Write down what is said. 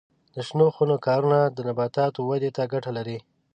د شنو خونو کارونه د نباتاتو ودې ته ګټه لري.